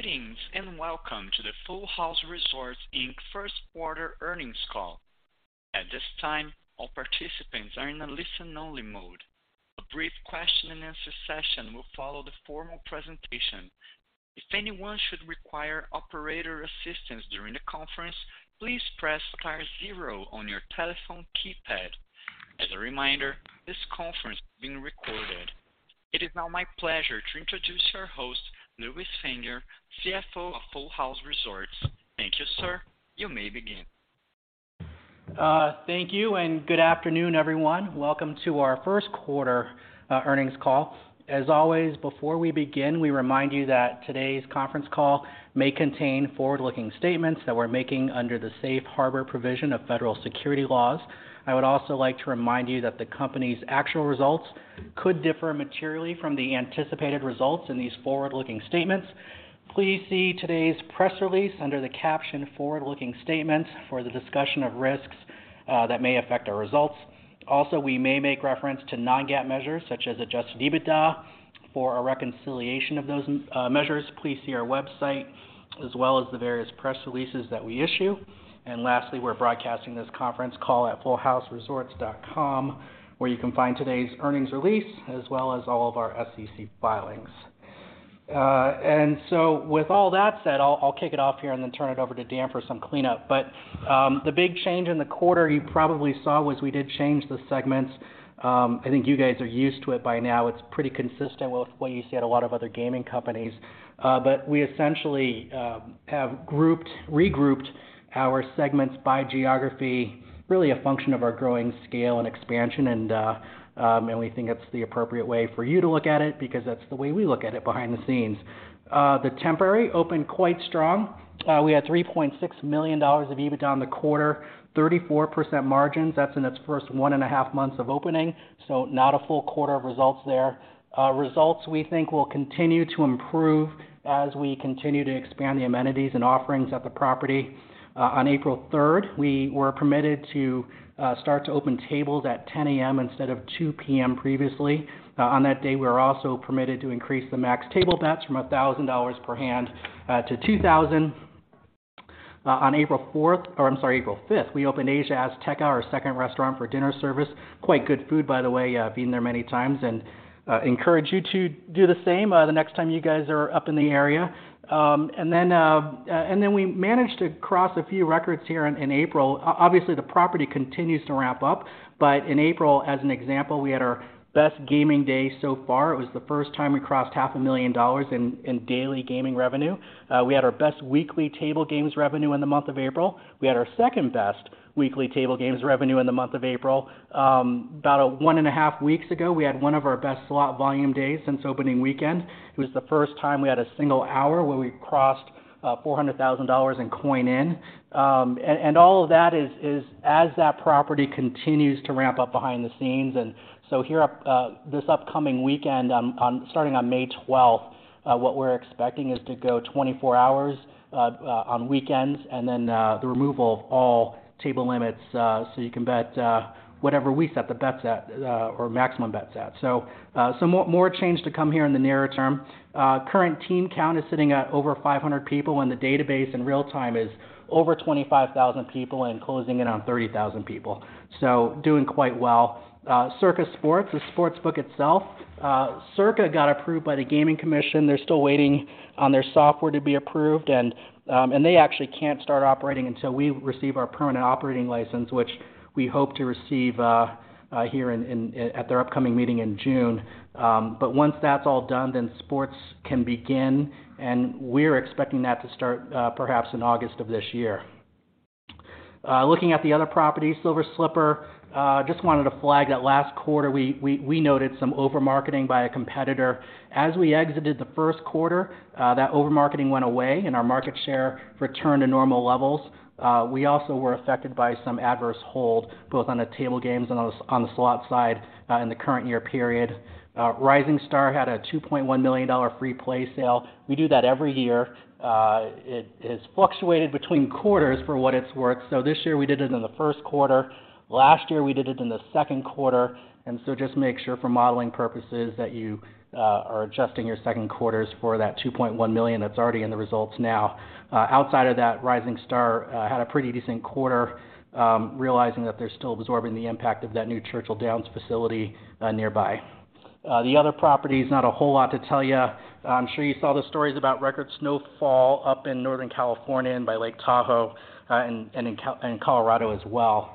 Greetings, and welcome to the Full House Resorts, Inc. first quarter earnings call. At this time, all participants are in a listen-only mode. A brief question and answer session will follow the formal presentation. If anyone should require operator assistance during the conference, please press star 0 on your telephone keypad. As a reminder, this conference is being recorded. It is now my pleasure to introduce our host, Lewis Fanger, CFO of Full House Resorts. Thank you, sir. You may begin. Thank you, good afternoon, everyone. Welcome to our first quarter earnings call. As always, before we begin, we remind you that today's conference call may contain forward-looking statements that we're making under the Safe Harbor provision of federal securities laws. I would also like to remind you that the company's actual results could differ materially from the anticipated results in these forward-looking statements. Please see today's press release under the caption Forward-looking Statements for the discussion of risks that may affect our results. We may make reference to non-GAAP measures such as adjusted EBITDA. For a reconciliation of those measures, please see our website as well as the various press releases that we issue. Lastly, we're broadcasting this conference call at fullhouseresorts.com, where you can find today's earnings release as well as all of our SEC filings. With all that said, I'll kick it off here and then turn it over to Dan for some cleanup. The big change in the quarter you probably saw was we did change the segments. I think you guys are used to it by now. It's pretty consistent with what you see at a lot of other gaming companies. We essentially have regrouped our segments by geography, really a function of our growing scale and expansion and we think it's the appropriate way for you to look at it because that's the way we look at it behind the scenes. The Temporary opened quite strong. We had $3.6 million of EBITDA in the quarter, 34% margins. That's in its first one and a half months of opening, so not a full quarter of results there. Results we think will continue to improve as we continue to expand the amenities and offerings at the property. On April third, we were permitted to start to open tables at 10:00 A.M. instead of 2:00 P.M. previously. On that day, we were also permitted to increase the max table bets from $1,000 per hand to $2,000. On April fifth, we opened Asia Azteca, our second restaurant for dinner service. Quite good food, by the way. I've eaten there many times and encourage you to do the same the next time you guys are up in the area. We managed to cross a few records here in April. Obviously, the property continues to ramp up, but in April, as an example, we had our best gaming day so far. It was the first time we crossed half a million dollars in daily gaming revenue. We had our best weekly table games revenue in the month of April. We had our second-best weekly table games revenue in the month of April. About one and a half weeks ago, we had one of our best slot volume days since opening weekend. It was the first time we had a single hour where we crossed $400,000 in coin in. All of that is as that property continues to ramp up behind the scenes. Here up, this upcoming weekend starting on May twelfth, what we're expecting is to go 24 hours on weekends, and then, the removal of all table limits. You can bet whatever we set the bets at, or maximum bets at. More change to come here in the nearer term. Current team count is sitting at over 500 people, and the database in real time is over 25,000 people and closing in on 30,000 people. Doing quite well. Circa Sports, the sportsbook itself, Circa got approved by the Gaming Commission. They're still waiting on their software to be approved and they actually can't start operating until we receive our permanent operating license, which we hope to receive here at their upcoming meeting in June. Once that's all done, then sports can begin, and we're expecting that to start perhaps in August of this year. Looking at the other properties, Silver Slipper, just wanted to flag that last quarter, we noted some over-marketing by a competitor. As we exited the first quarter, that over-marketing went away and our market share returned to normal levels. We also were affected by some adverse hold both on the table games and on the slot side in the current year period. Rising Star had a $2.1 million free play sale. We do that every year. It has fluctuated between quarters for what it's worth. This year we did it in the first quarter. Last year we did it in the second quarter. Just make sure for modeling purposes that you are adjusting your second quarters for that $2.1 million that's already in the results now. Outside of that, Rising Star had a pretty decent quarter, realizing that they're still absorbing the impact of that new Churchill Downs facility nearby. The other properties, not a whole lot to tell you. I'm sure you saw the stories about record snowfall up in Northern California and by Lake Tahoe, and in Colorado as well.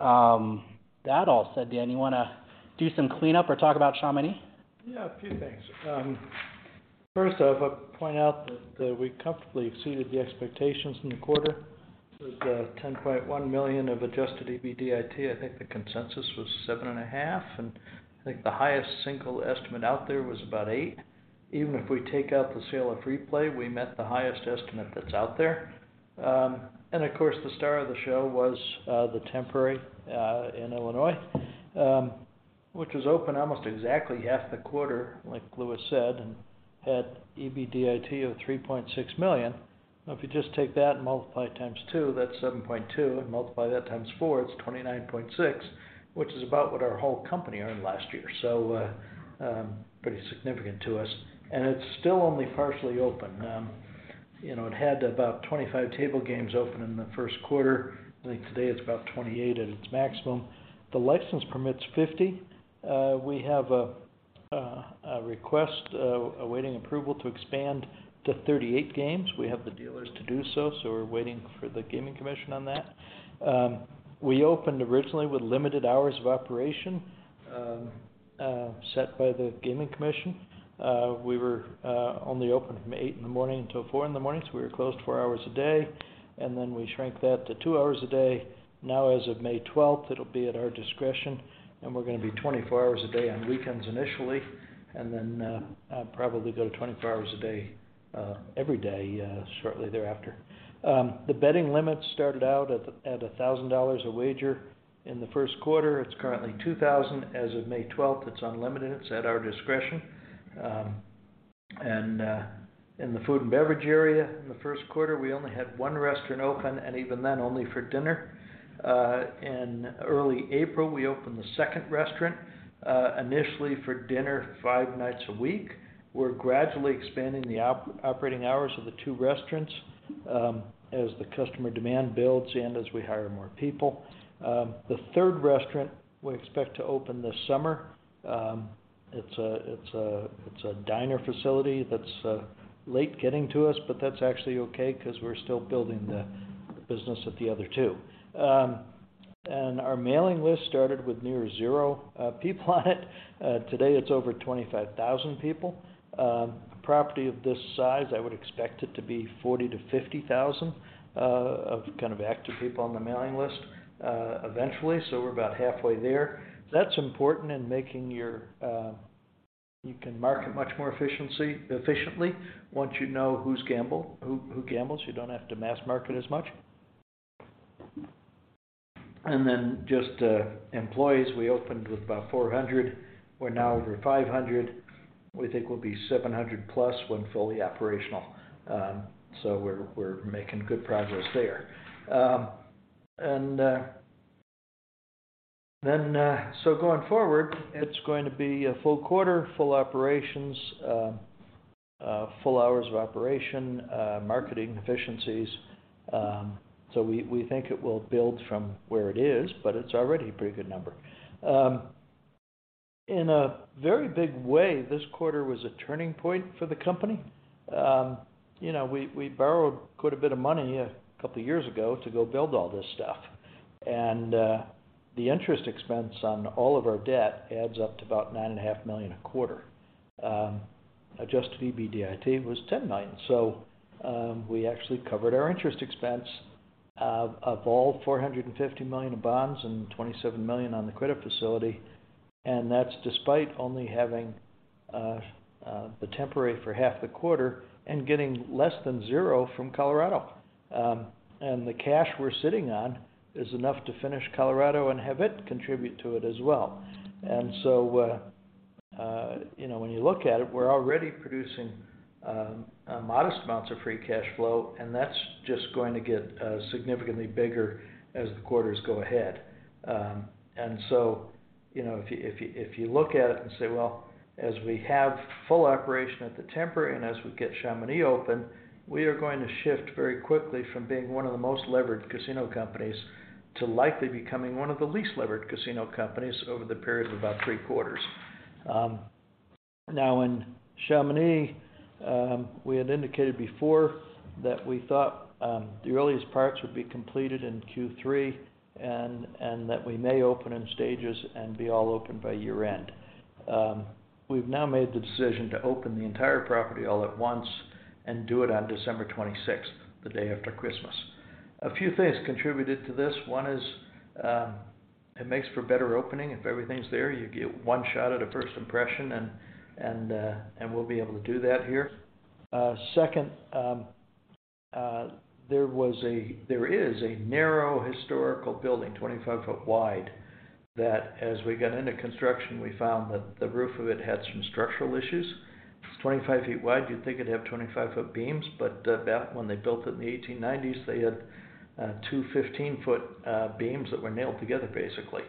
That all said, Dan, you wanna do some cleanup or talk about Chamonix? Yeah, a few things. First, I would point out that we comfortably exceeded the expectations in the quarter with $10.1 million of adjusted EBITDA. I think the consensus was $7.5 million, and I think the highest single estimate out there was about $8 million. Even if we take out the sale of free play, we met the highest estimate that's out there. Of course, the star of the show was The Temporary in Illinois, which was open almost exactly half the quarter, like Lewis said, and had EBITDA of $3.6 million. If you just take that and multiply it times two, that's $7.2 million, and multiply that times four, it's $29.6 million, which is about what our whole company earned last year. Pretty significant to us, and it's still only partially open. You know, it had about 25 table games open in the 1st quarter. I think today it's about 28 at its maximum. The license permits 50. We have a request awaiting approval to expand to 38 games. We have the dealers to do so we're waiting for the Gaming Commission on that. We opened originally with limited hours of operation, set by the Gaming Commission. We were only open from 8:00 A.M. until 4:00 A.M., so we were closed four hours a day, and then we shrank that to two hours a day. Now as of May 12th, it'll be at our discretion, and we're gonna be 24 hours a day on weekends initially, and then probably go to 24 hours a day every day shortly thereafter. The betting limits started out at $1,000 a wager in the first quarter. It's currently $2,000. As of May 12th, it's unlimited. It's at our discretion. In the food and beverage area, in the first quarter, we only had one restaurant open, and even then, only for dinner. In early April, we opened the second restaurant initially for dinner five nights a week. We're gradually expanding the operating hours of the two restaurants as the customer demand builds and as we hire more people. The third restaurant we expect to open this summer. It's a diner facility that's late getting to us, but that's actually okay 'cause we're still building the business at the other two. Our mailing list started with near zero people on it. Today, it's over 25,000 people. A property of this size, I would expect it to be 40,000-50,000 of kind of active people on the mailing list eventually. We're about halfway there. That's important in making your. You can market much more efficiently once you know who gambles. You don't have to mass market as much. Just employees, we opened with about 400. We're now over 500. We think we'll be 700+ when fully operational. We're making good progress there. Going forward, it's going to be a full quarter, full operations, full hours of operation, marketing efficiencies. We think it will build from where it is, but it's already a pretty good number. In a very big way, this quarter was a turning point for the company. You know, we borrowed quite a bit of money a couple years ago to go build all this stuff. The interest expense on all of our debt adds up to about $9.5 million a quarter. Adjusted EBITDA was $10 million. we actually covered our interest expense of all $450 million of bonds and $27 million on the credit facility, and that's despite only having The Temporary for half the quarter and getting less than zero from Colorado. The cash we're sitting on is enough to finish Colorado and have it contribute to it as well. you know, when you look at it, we're already producing a modest amounts of free cash flow, and that's just going to get significantly bigger as the quarters go ahead. You know, if you look at it and say, well, as we have full operation at The Temporary and as we get Chamonix open, we are going to shift very quickly from being one of the most levered casino companies to likely becoming one of the least levered casino companies over the period of about three quarters. Now in Chamonix, we had indicated before that we thought the earliest parts would be completed in Q3 and that we may open in stages and be all open by year-end. We've now made the decision to open the entire property all at once and do it on December 26th, the day after Christmas. A few things contributed to this. One is, it makes for a better opening. If everything's there, you get one shot at a first impression, and we'll be able to do that here. Second, there is a narrow historical building, 25 foot wide, that as we got into construction, we found that the roof of it had some structural issues. It's 25 feet wide. You'd think it'd have 25 foot beams, but back when they built it in the 1890s, they had 2 15-foot beams that were nailed together basically.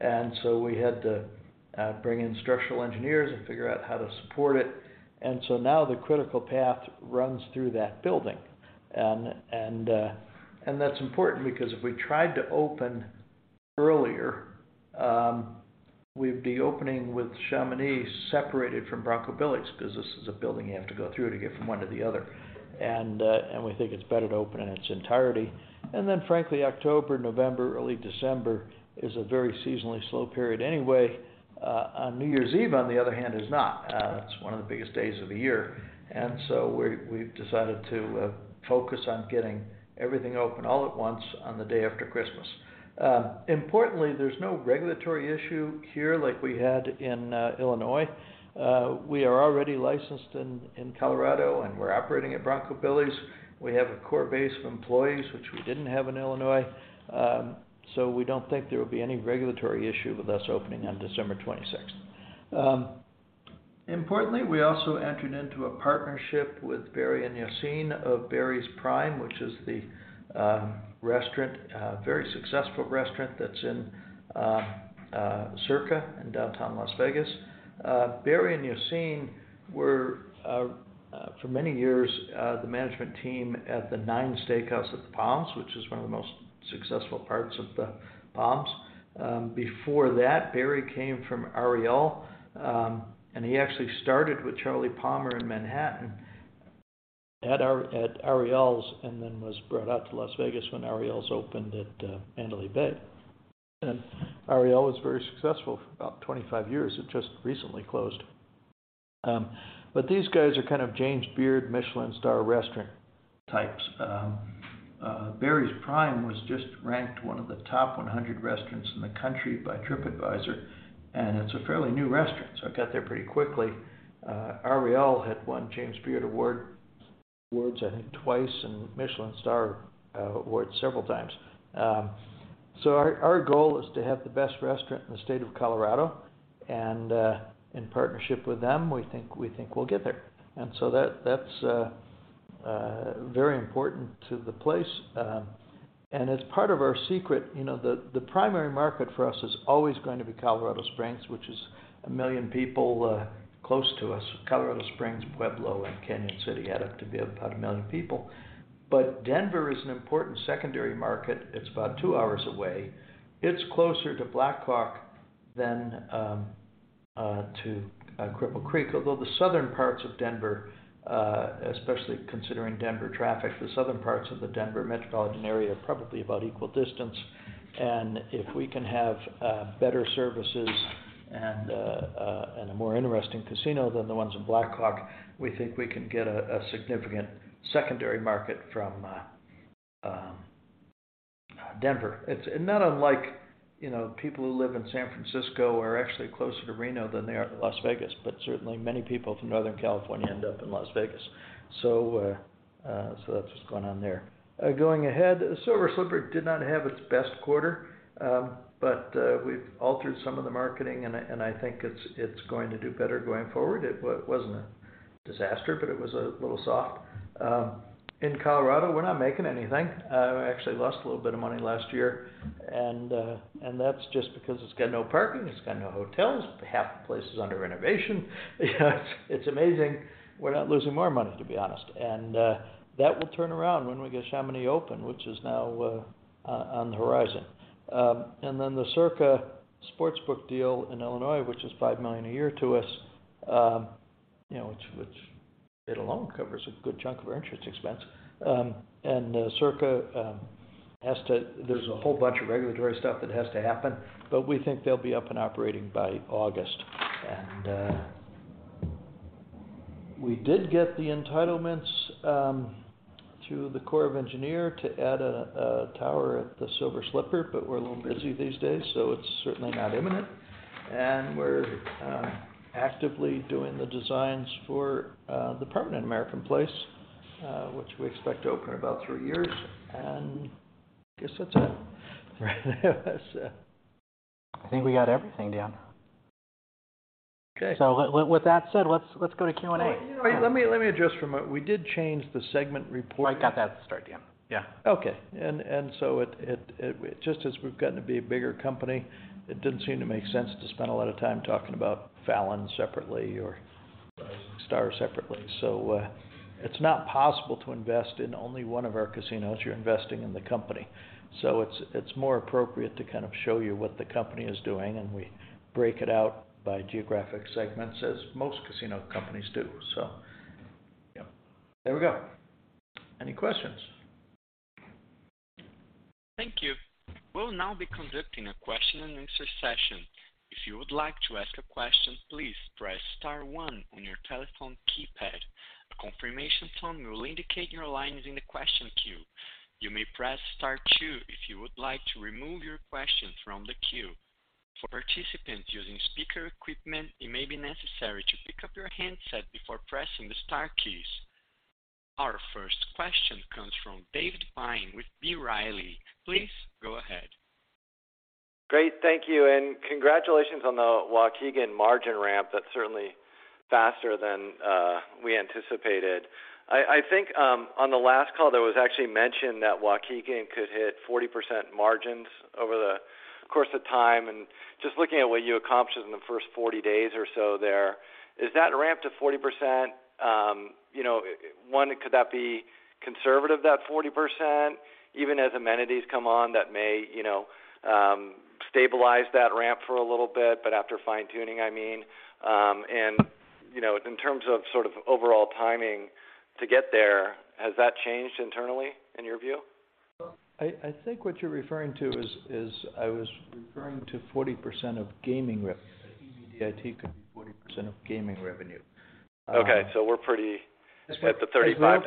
We had to bring in structural engineers and figure out how to support it. Now the critical path runs through that building. That's important because if we tried to open earlier, we'd be opening with Chamonix separated from Bronco Billy's 'cause this is a building you have to go through to get from one to the other. We think it's better to open in its entirety. Frankly, October, November, early December is a very seasonally slow period anyway. On New Year's Eve, on the other hand, is not. That's one of the biggest days of the year. We've decided to focus on getting everything open all at once on the day after Christmas. Importantly, there's no regulatory issue here like we had in Illinois. We are already licensed in Colorado, and we're operating at Bronco Billy's. We have a core base of employees, which we didn't have in Illinois. We don't think there will be any regulatory issue with us opening on December 26th. Importantly, we also entered into a partnership with Barry and Yassine of Barry's Prime, which is the restaurant, very successful restaurant that's in Circa in downtown Las Vegas. Barry and Yassine were for many years the management team at the N9NE Steakhouse at the Palms, which is one of the most successful parts of the Palms. Before that, Barry came from Aureole, and he actually started with Charlie Palmer in Manhattan at Aureole's and then was brought out to Las Vegas when Aureole's opened at Mandalay Bay. Aureole was very successful for about 25 years. It just recently closed. These guys are kind of James Beard, MICHELIN Star restaurant types. Barry's Prime was just ranked one of the top 100 restaurants in the country by Tripadvisor, and it's a fairly new restaurant, so it got there pretty quickly. Aureole had won James Beard Award, I think twice, and MICHELIN Star award several times. Our goal is to have the best restaurant in the state of Colorado, and in partnership with them, we think we'll get there. That's very important to the place. As part of our secret, you know, the primary market for us is always going to be Colorado Springs, which is 1 million people close to us. Colorado Springs, Pueblo, and Cañon City add up to be about 1 million people. Denver is an important secondary market. It's about two hours away. It's closer to Black Hawk than to Cripple Creek. Although the southern parts of Denver, especially considering Denver traffic, the southern parts of the Denver metropolitan area are probably about equal distance. If we can have better services and a more interesting casino than the ones in Black Hawk, we think we can get a significant secondary market from Denver. It's not unlike, you know, people who live in San Francisco are actually closer to Reno than they are to Las Vegas, but certainly many people from Northern California end up in Las Vegas. That's what's going on there. Going ahead, Silver Slipper did not have its best quarter, but we've altered some of the marketing and I think it's going to do better going forward. It wasn't a disaster, but it was a little soft. In Colorado, we're not making anything. We actually lost a little bit of money last year, and that's just because it's got no parking, it's got no hotels, half the place is under renovation. You know, it's amazing we're not losing more money, to be honest. That will turn around when we get Chamonix open, which is now on the horizon. Then the Circa Sportsbook deal in Illinois, which is $5 million a year to us, you know, which it alone covers a good chunk of our interest expense. Circa has to there's a whole bunch of regulatory stuff that has to happen, but we think they'll be up and operating by August. We did get the entitlements through the Corps of Engineer to add a tower at the Silver Slipper, but we're a little busy these days, so it's certainly not imminent. We're actively doing the designs for the permanent American Place, which we expect to open in about three years. I guess that's it. That's it. I think we got everything, Dan. Okay. With that said, let's go to Q&A. Well, you know what? Let me address for a moment. We did change the segment reporting. Oh, I got that at the start, Dan. Yeah. Okay. Just as we've gotten to be a bigger company, it didn't seem to make sense to spend a lot of time talking about Fallon separately or Star separately. It's not possible to invest in only one of our casinos. You're investing in the company. It's more appropriate to kind of show you what the company is doing, and we break it out by geographic segments as most casino companies do. Yeah. There we go. Any questions? Thank you. We'll now be conducting a question and answer session. If you would like to ask a question, please press star 1 on your telephone keypad. A confirmation tone will indicate your line is in the question queue. You may press star two if you would like to remove your question from the queue. For participants using speaker equipment, it may be necessary to pick up your handset before pressing the star keys. Our first question comes from David Bain with B. Riley. Please go ahead. Great. Thank you, congratulations on the Waukegan margin ramp. That's certainly faster than we anticipated. I think on the last call, there was actually mention that Waukegan could hit 40% margins over the course of time. Just looking at what you accomplished in the first 40 days or so there, is that ramp to 40%, you know, one, could that be conservative, that 40%, even as amenities come on that may, you know, stabilize that ramp for a little bit, but after fine-tuning, I mean? In terms of sort of overall timing to get there, has that changed internally in your view? Well, I think what you're referring to is I was referring to 40% of gaming EBITDA to be 40% of gaming revenue. Okay. We're pretty at the 35%.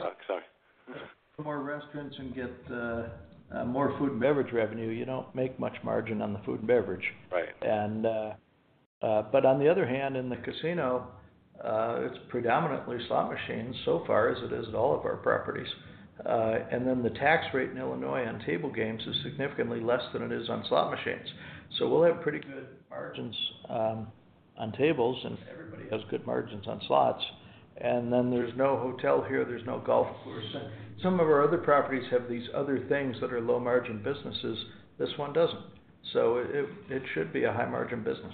Oh, sorry. As we open more restaurants and get more food and beverage revenue, you don't make much margin on the food and beverage. Right. But on the other hand, in the casino, it's predominantly slot machines so far as it is at all of our properties. The tax rate in Illinois on table games is significantly less than it is on slot machines. We'll have pretty good margins on tables, and everybody has good margins on slots. There's no hotel here, there's no golf course. Some of our other properties have these other things that are low-margin businesses. This one doesn't. It should be a high-margin business.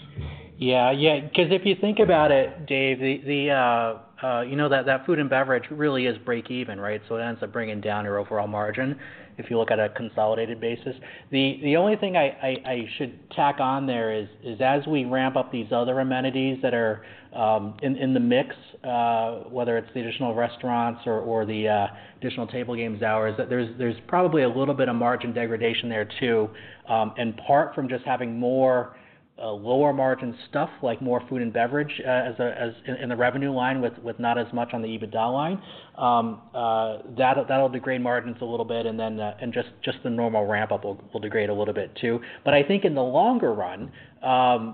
Yeah. Yeah, 'cause if you think about it, Dave, you know that food and beverage really is break even, right? It ends up bringing down your overall margin if you look at a consolidated basis. The only thing I should tack on there is as we ramp up these other amenities that are in the mix, whether it's the additional restaurants or the additional table games hours, that there's probably a little bit of margin degradation there too. In part from just having more lower-margin stuff, like more food and beverage, in the revenue line with not as much on the EBITDA line. That'll degrade margins a little bit then, and just the normal ramp up will degrade a little bit too. I think in the longer run,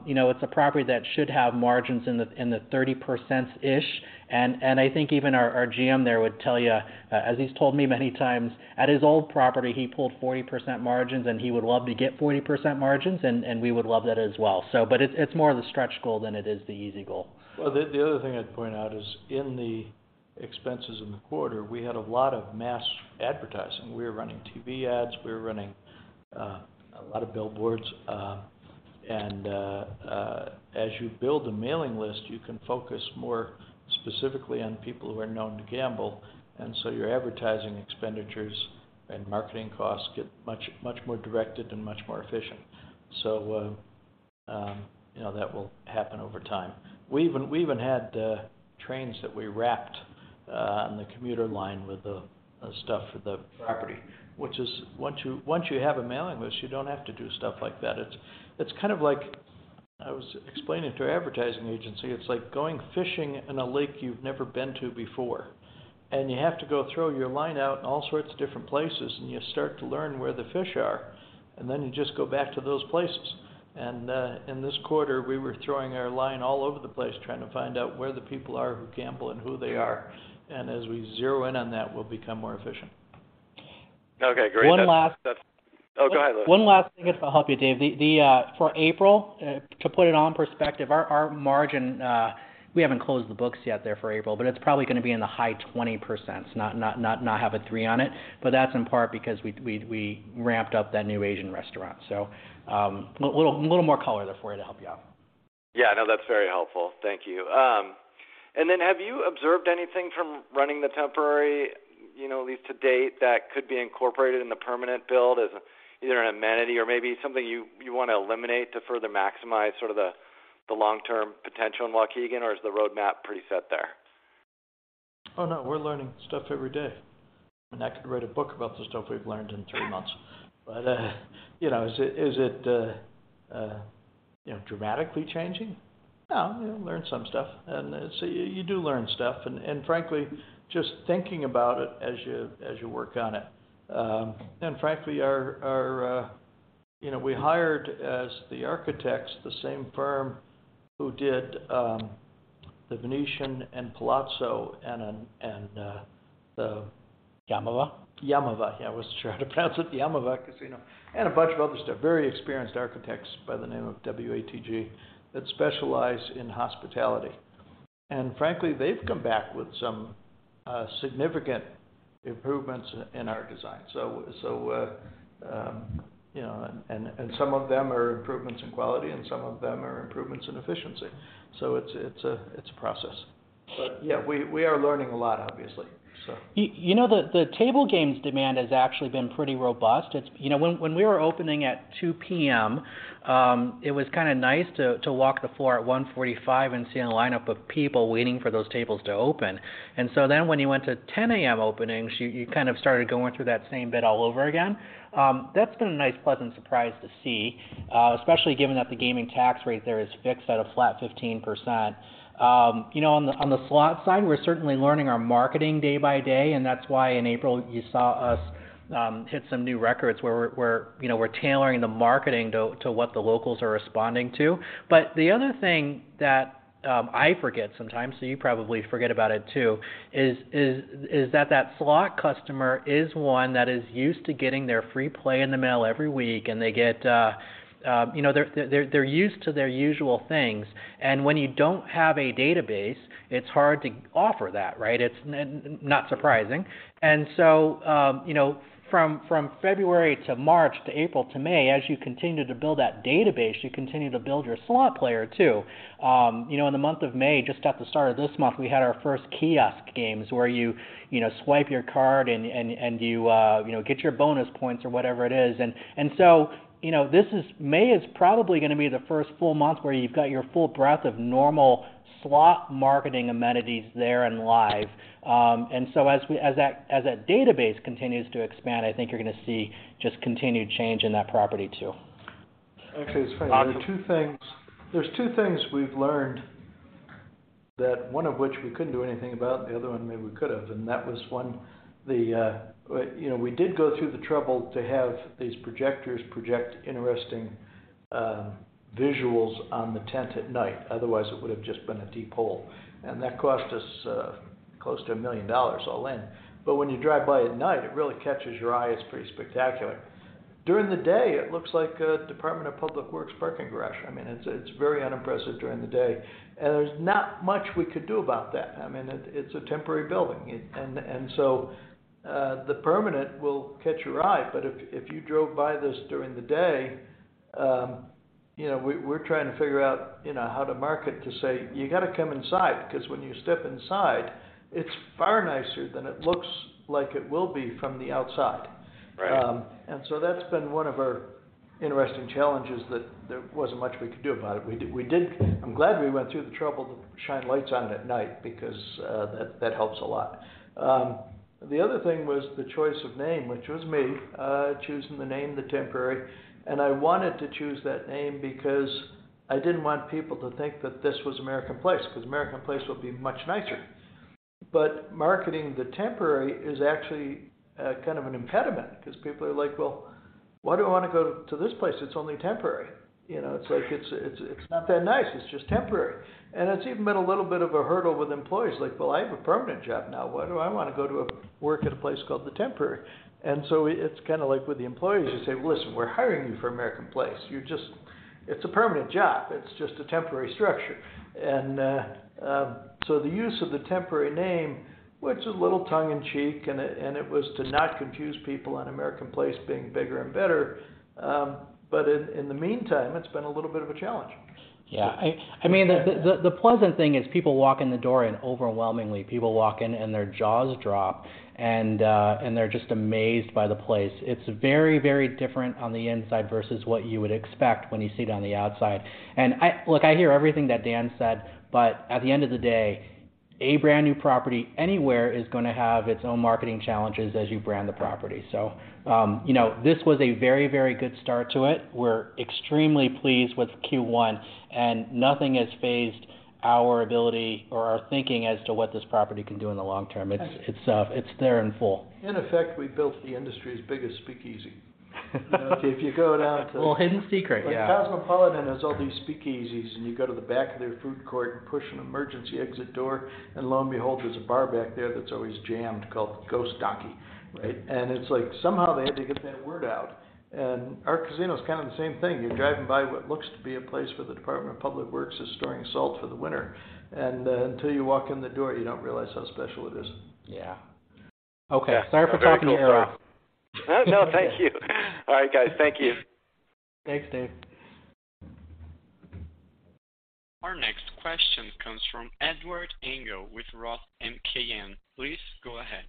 you know, it's a property that should have margins in the 30%-ish. I think even our GM there would tell you, as he's told me many times, at his old property, he pulled 40% margins, and he would love to get 40% margins, and we would love that as well. But it's more of the stretch goal than it is the easy goal. The other thing I'd point out is in the expenses in the quarter, we had a lot of mass advertising. We were running TV ads, we were running a lot of billboards. As you build a mailing list, you can focus more specifically on people who are known to gamble, your advertising expenditures and marketing costs get much more directed and much more efficient. You know, that will happen over time. We even had trains that we wrapped on the commuter line with the stuff for the property, which is once you have a mailing list, you don't have to do stuff like that. It's kind of like I was explaining to our advertising agency, it's like going fishing in a lake you've never been to before, and you have to go throw your line out in all sorts of different places, and you start to learn where the fish are, and then you just go back to those places. In this quarter, we were throwing our line all over the place, trying to find out where the people are who gamble and who they are. As we zero in on that, we'll become more efficient. Okay, great. One last. Oh, go ahead, Lewis. One last thing, if I'll help you, Dave. The for April to put it all in perspective, our margin we haven't closed the books yet there for April, but it's probably gonna be in the high 20%, not have a three on it. That's in part because we ramped up that new Asian restaurant. A little more color there for you to help you out. Yeah, no, that's very helpful. Thank you. Have you observed anything from running The Temporary, you know, at least to date, that could be incorporated in the permanent build as either an amenity or maybe something you wanna eliminate to further maximize sort of the long-term potential in Waukegan, or is the roadmap pretty set there? Oh, no. We're learning stuff every day. I mean, I could write a book about the stuff we've learned in three months. You know, is it, you know, dramatically changing? No. You learn some stuff, you do learn stuff and frankly, just thinking about it as you work on it. Frankly, our, you know, we hired as the architects, the same firm who did The Venetian and Palazzo. Yaamava'. Yaamava'. Yeah, I wasn't sure how to pronounce it. Yaamava' Casino and a bunch of other stuff. Very experienced architects by the name of WATG that specialize in hospitality. Frankly, they've come back with some significant improvements in our design. you know, and some of them are improvements in quality, and some of them are improvements in efficiency. It's, it's a, it's a process. Yeah, we are learning a lot, obviously. You know, the table games demand has actually been pretty robust. It's, you know, when we were opening at 2:00 P.M., it was kind of nice to walk the floor at 1:45 and see a lineup of people waiting for those tables to open. When you went to 10:00 A.M. openings, you kind of started going through that same bit all over again. That's been a nice, pleasant surprise to see, especially given that the gaming tax rate there is fixed at a flat 15%. You know, on the slot side, we're certainly learning our marketing day by day, and that's why in April you saw us hit some new records where we're, you know, we're tailoring the marketing to what the locals are responding to. The other thing that I forget sometimes, so you probably forget about it too is that slot customer is one that is used to getting their free play in the mail every week, and they get, you know, they're used to their usual things. When you don't have a database, it's hard to offer that, right? It's not surprising. From February to March to April to May, as you continue to build that database, you continue to build your slot player too. You know, in the month of May, just at the start of this month, we had our first kiosk games where you know, swipe your card and you know, get your bonus points or whatever it is. You know, May is probably gonna be the first full month where you've got your full breadth of normal slot marketing amenities there and live. As that database continues to expand, I think you're gonna see just continued change in that property too. Actually, it's funny. Awesome. There's two things we've learned that one of which we couldn't do anything about, and the other one maybe we could have, and that was, one, the, you know, we did go through the trouble to have these projectors project interesting visuals on the tent at night. Otherwise, it would've just been a deep hole, and that cost us close to $1 million all in. When you drive by at night, it really catches your eye. It's pretty spectacular. During the day, it looks like a Department of Public Works parking garage. I mean, it's very unimpressive during the day. There's not much we could do about that. I mean, it's a temporary building. It. The permanent will catch your eye, but if you drove by this during the day, you know, we're trying to figure out, you know, how to market to say, "You gotta come inside," because when you step inside, it's far nicer than it looks like it will be from the outside. That's been one of our interesting challenges that there wasn't much we could do about it. We did, I'm glad we went through the trouble to shine lights on it at night because that helps a lot. The other thing was the choice of name, which was me, choosing the name The Temporary, and I wanted to choose that name because I didn't want people to think that this was American Place, 'cause American Place will be much nicer. Marketing The Temporary is actually kind of an impediment 'cause people are like, "Well, why do I wanna go to this place? It's only temporary." You know, it's like, it's not that nice, it's just temporary. It's even been a little bit of a hurdle with employees, like, "Well, I have a permanent job now, why do I wanna go to work at a place called The Temporary?" So it's kinda like with the employees, you say, "Well, listen, we're hiring you for American Place. You're just, it's a permanent job, it's just a temporary structure." So the use of The Temporary name, which is a little tongue in cheek and it was to not confuse people on American Place being bigger and better, but in the meantime, it's been a little bit of a challenge. Yeah. I mean, the pleasant thing is people walk in the door and overwhelmingly, people walk in and their jaws drop and they're just amazed by the place. It's very, very different on the inside versus what you would expect when you see it on the outside. Look, I hear everything that Dan said, but at the end of the day, a brand-new property anywhere is gonna have its own marketing challenges as you brand the property. You know, this was a very, very good start to it. We're extremely pleased with Q1, and nothing has phased our ability or our thinking as to what this property can do in the long term. It's there in full. In effect, we built the industry's biggest speakeasy. A little hidden secret, yeah. Like, Cosmopolitan has all these speakeasies, and you go to the back of their food court and push an emergency exit door, and lo and behold, there's a bar back there that's always jammed called Ghostbar. It's like somehow they had to get that word out. Our casino's kind of the same thing. You're driving by what looks to be a place where the Department of Public Works is storing salt for the winter, and, until you walk in the door, you don't realize how special it is. Yeah. Okay. Sorry for talking your ear off. No, no, thank you. All right, guys. Thank you. Thanks, Dave. Our next question comes from Edward Engel with ROTH MKM. Please go ahead.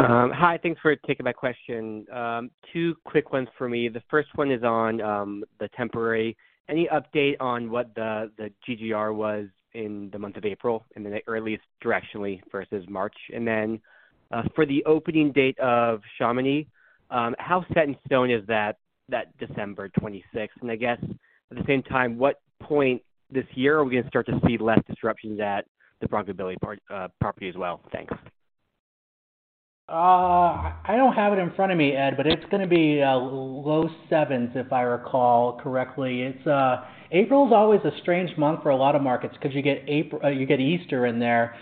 Hi. Thanks for taking my question. Two quick ones for me. The first one is on The Temporary. Any update on what the GGR was in the month of April, in the earliest directionally versus March? For the opening date of Chamonix, how set in stone is that December 26th? I guess at the same time, what point this year are we gonna start to see less disruptions at the Bronco Billy property as well? Thanks. I don't have it in front of me, Ed. It's going to be low sevens, if I recall correctly. It's April's always a strange month for a lot of markets because you get Easter in there.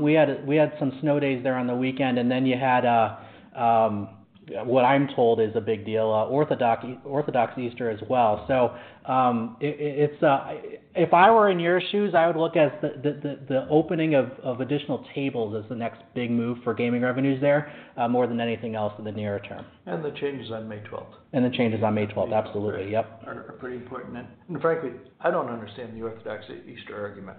We had some snow days there on the weekend, and then you had what I'm told is a big deal, Orthodox Easter as well. It's if I were in your shoes, I would look at the opening of additional tables as the next big move for gaming revenues there, more than anything else in the nearer term. The changes on May 12th. The changes on May 12th, absolutely. Yep. Are pretty important. Frankly, I don't understand the Orthodox Easter argument.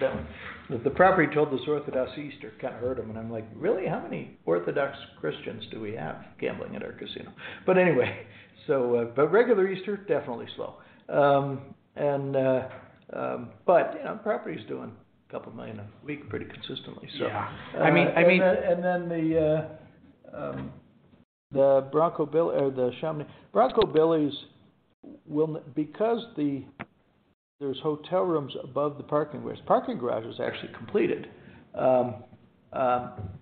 That one, the property told us Orthodox Easter kinda hurt them, and I'm like, "Really? How many Orthodox Christians do we have gambling at our casino?" Anyway, regular Easter, definitely slow. You know, property's doing $2 million a week pretty consistently, so. Yeah. I mean. And then the Bronco Bill-- or the Chamonix. Bronco Billy's will n- because the, there's hotel rooms above the parking garage. Parking garage is actually completed,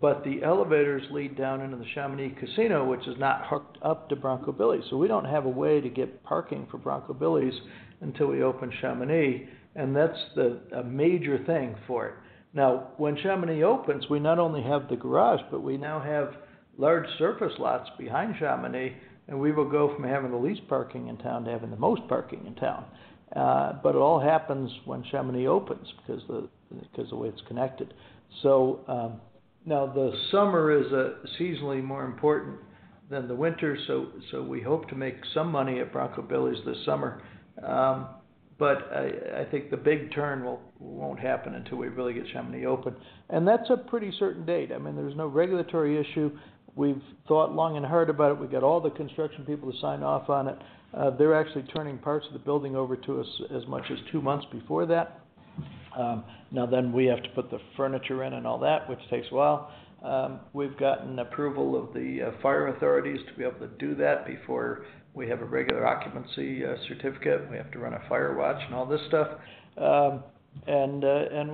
but the elevators lead down into the Chamonix Casino, which is not hooked up to Bronco Billy's, so we don't have a way to get parking for Bronco Billy's until we open Chamonix, and that's the, a major thing for it. Now, when Chamonix opens, we not only have the garage, but we now have large surface lots behind Chamonix, and we will go from having the least parking in town to having the most parking in town. It all happens when Chamonix opens 'cause the way it's connected. Now the summer is seasonally more important than the winter, we hope to make some money at Bronco Billy's this summer. I think the big turn won't happen until we really get Chamonix open. That's a pretty certain date. I mean, there's no regulatory issue. We've thought long and hard about it. We've got all the construction people to sign off on it. They're actually turning parts of the building over to us as much as two months before that. We have to put the furniture in and all that, which takes a while. We've gotten approval of the fire authorities to be able to do that before we have a regular occupancy certificate. We have to run a fire watch and all this stuff.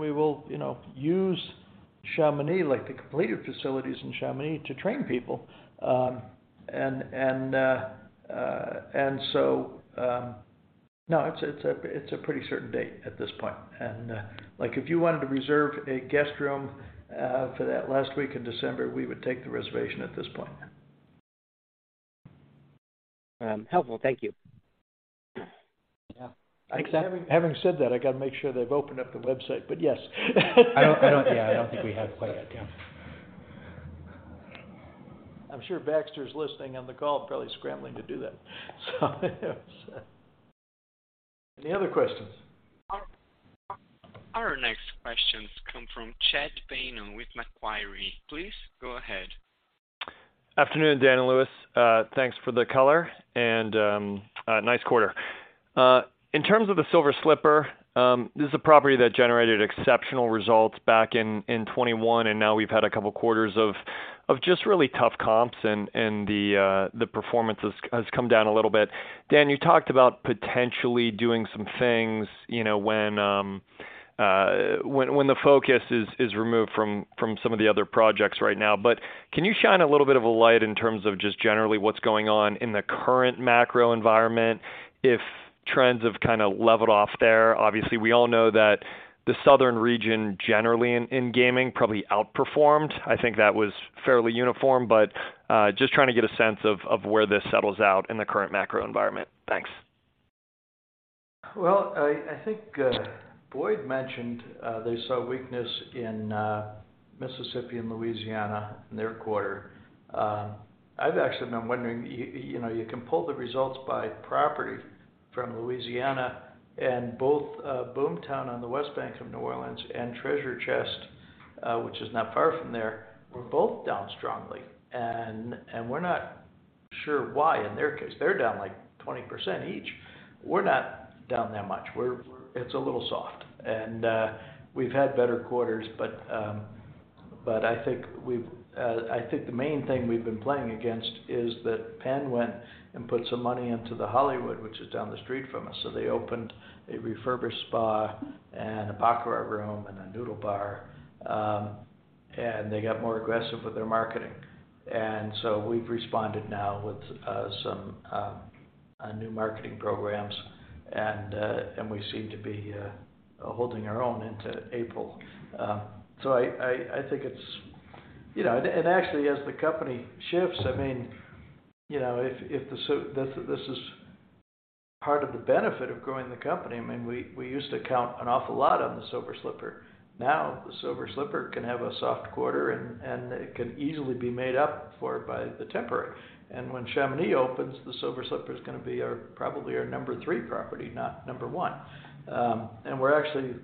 We will, you know, like the completed facilities in Chamonix to train people. It's a pretty certain date at this point. Like, if you wanted to reserve a guest room, for that last week in December, we would take the reservation at this point. Helpful. Thank you. Yeah. Thanks, Dan. Having said that, I gotta make sure they've opened up the website, but yes. I don't. Yeah, I don't think we have quite yet. Yeah. I'm sure Baxter's listening on the call, probably scrambling to do that. Yes. Any other questions? Our next questions come from Chad Beynon with Macquarie. Please go ahead. Afternoon, Dan and Lewis. Thanks for the color and nice quarter. In terms of the Silver Slipper, this is a property that generated exceptional results back in 2021, and now we've had two quarters of just really tough comps and the performance has come down a little bit. Dan, you talked about potentially doing some things, you know, when the focus is removed from some of the other projects right now. Can you shine a little bit of a light in terms of just generally what's going on in the current macro environment, if trends have kinda leveled off there? Obviously, we all know that the southern region generally in gaming probably outperformed. I think that was fairly uniform, just trying to get a sense of where this settles out in the current macro environment. Thanks. Well, I think Boyd mentioned they saw weakness in Mississippi and Louisiana in their quarter. I've actually been wondering, you know, you can pull the results by property from Louisiana and both Boomtown on the West Bank of New Orleans and Treasure Chest, which is not far from there, were both down strongly. We're not sure why in their case. They're down, like, 20% each. We're not down that much. It's a little soft. We've had better quarters, but I think we've. I think the main thing we've been playing against is that Penn went and put some money into the Hollywood, which is down the street from us. They opened a refurbished spa and a baccarat room and a noodle bar, and they got more aggressive with their marketing. We've responded now with some new marketing programs and we seem to be holding our own into April. So I think it's, you know, and actually as the company shifts, I mean, you know, if this is part of the benefit of growing the company. I mean, we used to count an awful lot on the Silver Slipper. Now, the Silver Slipper can have a soft quarter and it can easily be made up for by The Temporary. When Chamonix opens, the Silver Slipper is gonna be our, probably our number three property, not number one. We're actually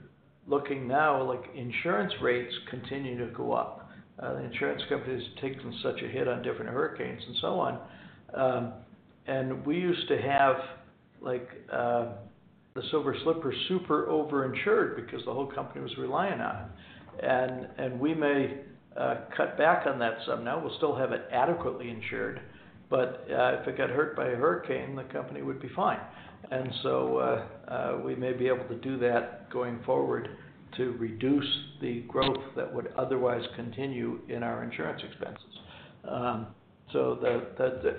looking now, like insurance rates continue to go up. The insurance companies have taken such a hit on different hurricanes and so on. We used to have the Silver Slipper super over-insured because the whole company was reliant on it. We may cut back on that some. Now we'll still have it adequately insured, but if it got hurt by a hurricane, the company would be fine. We may be able to do that going forward to reduce the growth that would otherwise continue in our insurance expenses. It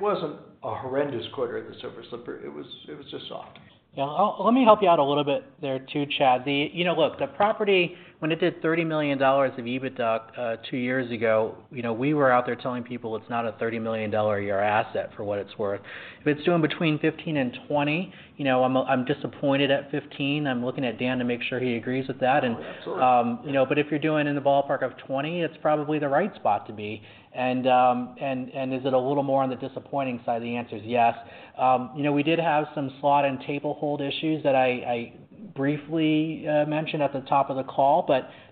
wasn't a horrendous quarter at the Silver Slipper. It was just soft. Yeah. Let me help you out a little bit there too, Chad. You know, look, the property, when it did $30 million of EBITDA, two years ago, you know, we were out there telling people it's not a $30 million a year asset, for what it's worth. If it's doing between $15 million and $20 million, you know, I'm disappointed at $15 million. I'm looking at Dan to make sure he agrees with that. Oh, absolutely. You know, if you're doing in the ballpark of 20, it's probably the right spot to be. Is it a little more on the disappointing side? The answer is yes. You know, we did have some slot and table hold issues that I briefly mentioned at the top of the call.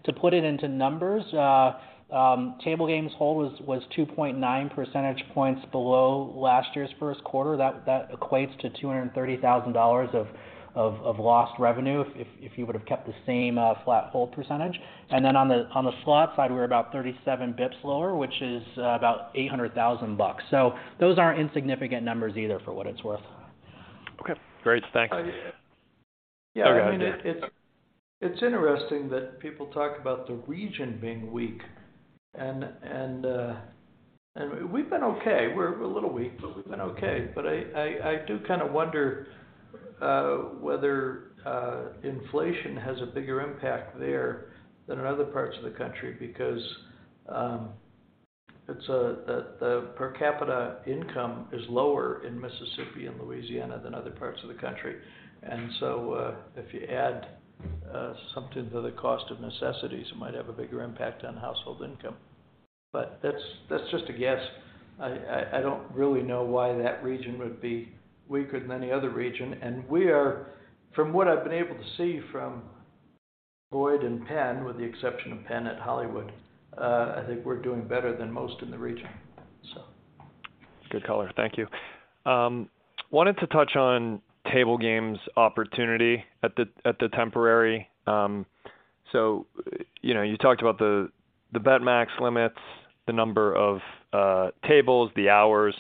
To put it into numbers, table games hold was 2.9 percentage points below last year's first quarter. That equates to $230,000 of lost revenue if you would've kept the same flat hold percentage. On the slot side, we're about 37 bips lower, which is about $800,000. Those aren't insignificant numbers either, for what it's worth. Okay, great. Thanks. Go ahead. Yeah. I mean, it's interesting that people talk about the region being weak and we've been okay. We're a little weak, but we've been okay. I do kinda wonder whether inflation has a bigger impact there than in other parts of the country because the per capita income is lower in Mississippi and Louisiana than other parts of the country. If you add something to the cost of necessities, it might have a bigger impact on household income. That's just a guess. I don't really know why that region would be weaker than any other region. We are, from what I've been able to see from Boyd and Penn, with the exception of Penn at Hollywood, I think we're doing better than most in the region. Good color. Thank you. Wanted to touch on table games opportunity at the Temporary. You know, you talked about the bet max limits, the number of tables, the hours.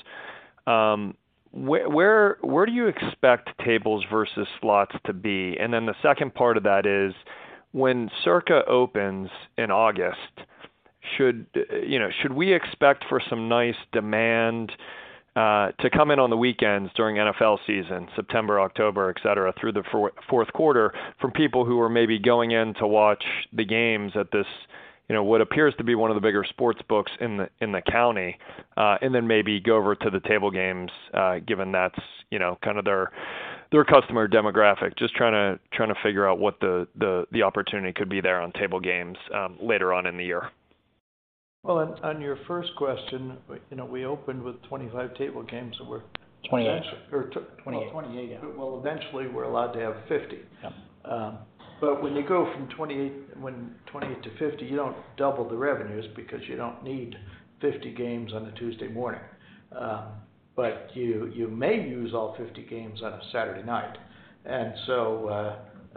Where do you expect tables versus slots to be? The second part of that is when Circa opens in August, should, you know, should we expect for some nice demand to come in on the weekends during NFL season, September, October, et cetera, through the fourth quarter from people who are maybe going in to watch the games at this, you know, what appears to be one of the bigger sports books in the county, and then maybe go over to the table games, given that's, you know, kind of their customer demographic? Just trying to figure out what the opportunity could be there on table games, later on in the year. Well, on your first question, you know, we opened with 25 table games. 28. Oh, 28. Well, eventually, we're allowed to have 50. Yeah. When you go from 28 to 50, you don't double the revenues because you don't need 50 games on a Tuesday morning.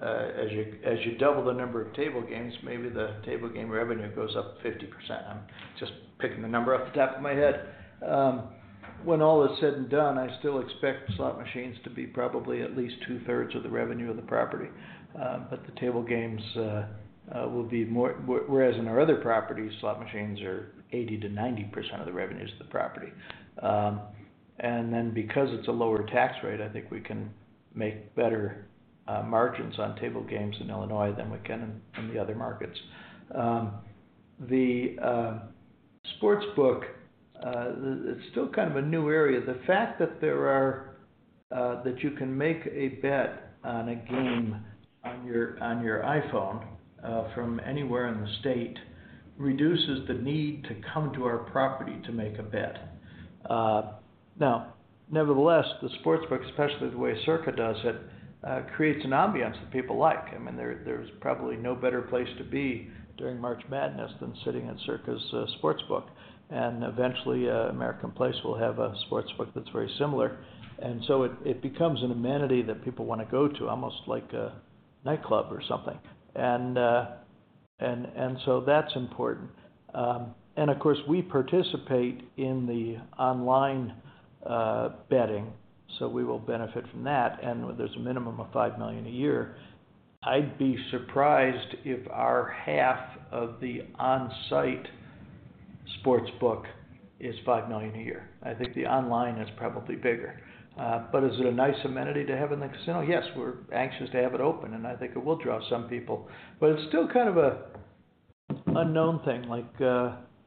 As you double the number of table games, maybe the table game revenue goes up 50%. I'm just picking a number off the top of my head. When all is said and done, I still expect slot machines to be probably at least 2/3 of the revenue of the property. The table games will be more. Whereas in our other properties, slot machines are 80%-90% of the revenues of the property. Because it's a lower tax rate, I think we can make better margins on table games in Illinois than we can in the other markets. The sports book, it's still kind of a new area. The fact that you can make a bet on a game on your iPhone from anywhere in the state reduces the need to come to our property to make a bet. Nevertheless, the sports book, especially the way Circa does it, creates an ambiance that people like. I mean, there's probably no better place to be during March Madness than sitting in Circa's sports book. Eventually, American Place will have a sports book that's very similar. It becomes an amenity that people wanna go to, almost like a nightclub or something. That's important. Of course, we participate in the online betting, so we will benefit from that. There's a minimum of $5 million a year. I'd be surprised if our half of the on-site sportsbook is $5 million a year. I think the online is probably bigger. Is it a nice amenity to have in the casino? Yes. We're anxious to have it open, and I think it will draw some people. It's still kind of an unknown thing, like.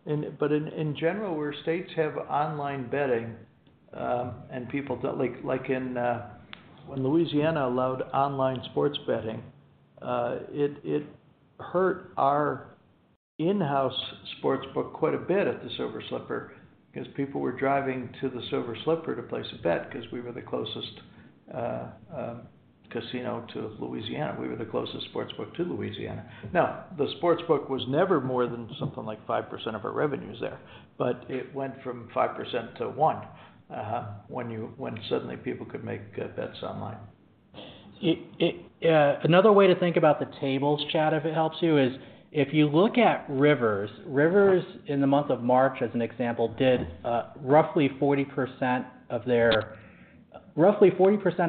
In general, where states have online betting, and people don't. Like in, when Louisiana allowed online sports betting, it hurt our in-house sports book quite a bit at the Silver Slipper because people were driving to the Silver Slipper to place a bet because we were the closest casino to Louisiana. We were the closest sports book to Louisiana. Now, the sports book was never more than something like 5% of our revenues there, but it went from 5% to 1% when suddenly people could make bets online. Yeah, another way to think about the tables, Chad, if it helps you, is if you look at Rivers in the month of March, as an example, did roughly 40%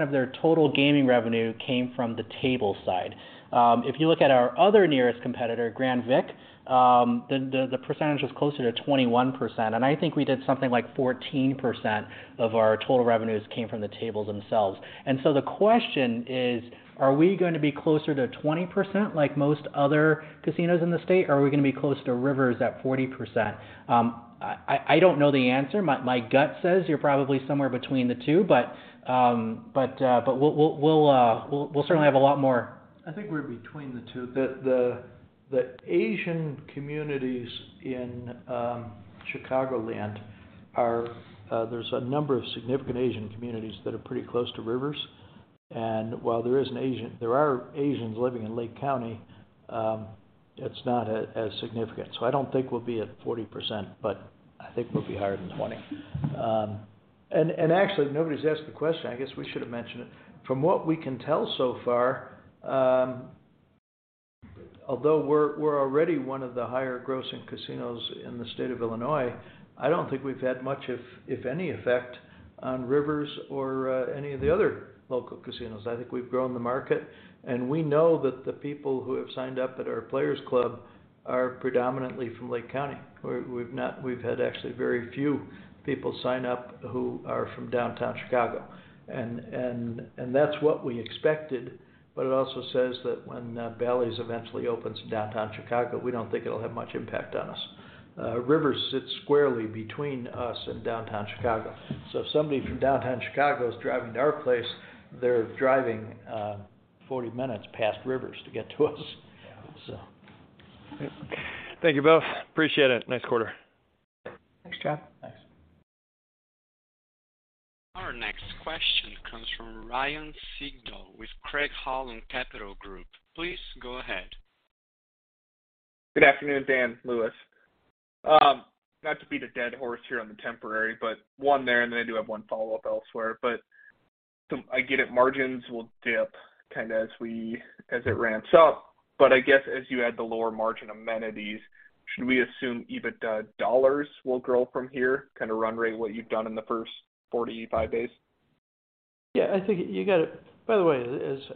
of their total gaming revenue came from the table side. If you look at our other nearest competitor, Grand Vic, the percentage was closer to 21%, and I think we did something like 14% of our total revenues came from the tables themselves. The question is, are we gonna be closer to 20% like most other casinos in the state, or are we gonna be closer to Rivers at 40%? I don't know the answer. My gut says you're probably somewhere between the two but we'll certainly have a lot more. I think we're between the two. The Asian communities in Chicagoland, there's a number of significant Asian communities that are pretty close to Rivers. While there are Asians living in Lake County, it's not as significant. I don't think we'll be at 40%, but I think we'll be higher than 20. Actually, nobody's asked the question, I guess we should have mentioned it. From what we can tell so far, although we're already one of the higher grossing casinos in the state of Illinois, I don't think we've had much, if any, effect on Rivers or any of the other local casinos. I think we've grown the market, we know that the people who have signed up at our players club are predominantly from Lake County. We've had actually very few people sign up who are from downtown Chicago. That's what we expected, but it also says that when Bally's eventually opens in downtown Chicago, we don't think it'll have much impact on us. Rivers sits squarely between us and downtown Chicago. If somebody from downtown Chicago is driving to our place, they're driving 40 minutes past Rivers to get to us. Yeah. Thank you both. Appreciate it. Nice quarter. Thanks, Chad. Thanks. Our next question comes from Ryan Sigdahl with Craig-Hallum Capital Group. Please go ahead. Good afternoon, Dan, Lewis. Not to beat a dead horse here on The Temporary, but one there, and then I do have one follow-up elsewhere. I get it, margins will dip kind of as it ramps up. I guess as you add the lower margin amenities, should we assume EBITDA dollars will grow from here, kind of run rate what you've done in the first 45 days? Yeah, I think you got to. By the way,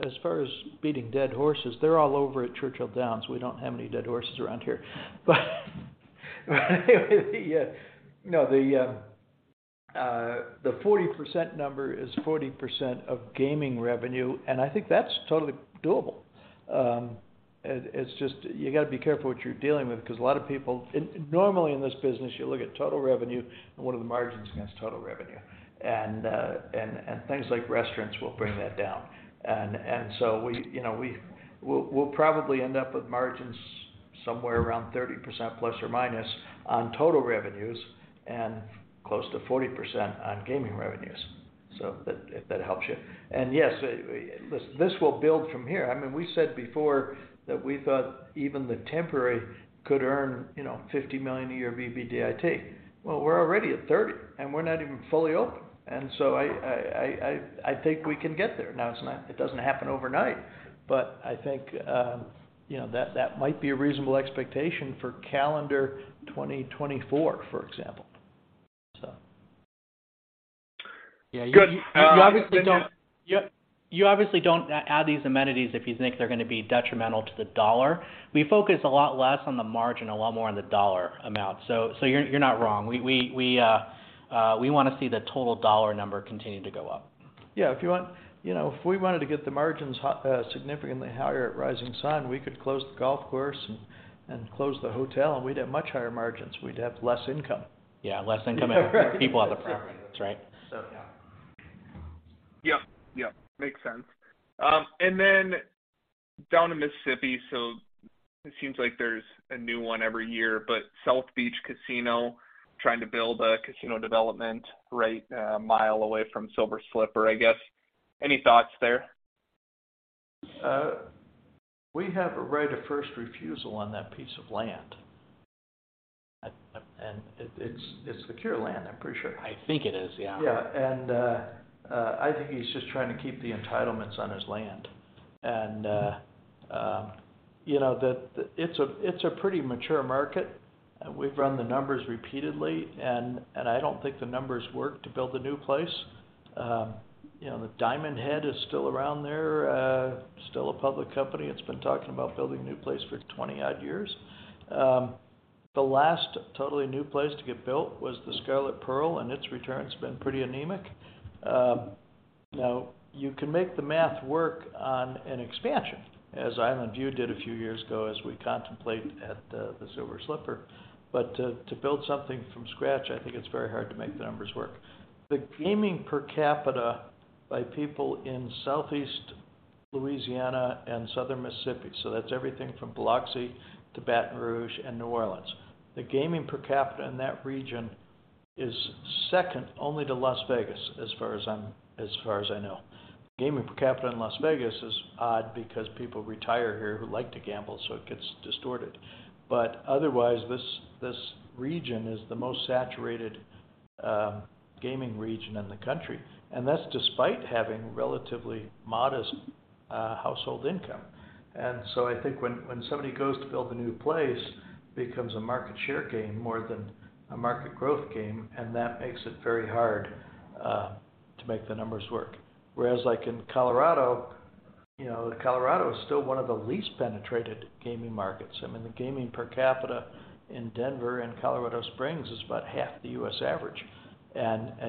as far as beating dead horses, they're all over at Churchill Downs. We don't have any dead horses around here. Anyway, you know, the 40% number is 40% of gaming revenue, and I think that's totally doable. It's just you got to be careful what you're dealing with because a lot of people. Normally in this business, you look at total revenue and what are the margins against total revenue. Things like restaurants will bring that down. So we, you know, we'll probably end up with margins somewhere around 30%± on total revenues and close to 40% on gaming revenues. If that helps you. Yes, this will build from here. I mean, we said before that we thought even The Temporary could earn, you know, $50 million a year EBITDA. Well, we're already at $30 million, and we're not even fully open. I think we can get there. Now it doesn't happen overnight, but I think, you know, that might be a reasonable expectation for calendar 2024, for example. Yeah. You obviously. Good. Go ahead. You obviously don't add these amenities if you think they're gonna be detrimental to the dollar. We focus a lot less on the margin, a lot more on the dollar amount. You're not wrong. We wanna see the total dollar number continue to go up. Yeah. If you want, you know, if we wanted to get the margins significantly higher at Rising Sun, we could close the golf course and close the hotel, and we'd have much higher margins. We'd have less income. Yeah, less income. Right People on the property. That's right. Yeah. Yeah. Yeah. Makes sense. And then down to Mississippi, so it seems like there's a new one every year, but South Beach Casino trying to build a casino development right, a mile away from Silver Slipper, I guess. Any thoughts there? We have a right of first refusal on that piece of land. It's secure land, I'm pretty sure. I think it is, yeah. Yeah. I think he's just trying to keep the entitlements on his land. You know, it's a pretty mature market. We've run the numbers repeatedly, I don't think the numbers work to build a new place. You know, the Diamondhead is still around there, still a public company. It's been talking about building a new place for 20-odd years. The last totally new place to get built was The Scarlet Pearl, its return's been pretty anemic. You can make the math work on an expansion, as Island View did a few years ago as we contemplate at the Silver Slipper. Build something from scratch, I think it's very hard to make the numbers work. The gaming per capita by people in Southeast Louisiana and Southern Mississippi, so that's everything from Biloxi to Baton Rouge and New Orleans. The gaming per capita in that region is second only to Las Vegas as far as I know. Gaming per capita in Las Vegas is odd because people retire here who like to gamble, so it gets distorted. Otherwise, this region is the most saturated gaming region in the country, and that's despite having relatively modest household income. I think when somebody goes to build a new place, becomes a market share game more than a market growth game, and that makes it very hard to make the numbers work. Whereas like in Colorado, you know, Colorado is still one of the least penetrated gaming markets. I mean, the gaming per capita in Denver and Colorado Springs is about half the U.S. average.